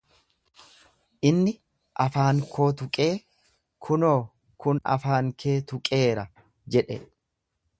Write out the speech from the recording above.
Inni afaan koo tuqee, kunoo kun afaan kee tuqeera jedhe.